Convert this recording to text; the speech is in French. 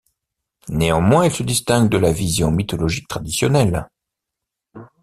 Néanmoins, il se distingue de la vision mythologique traditionnelle.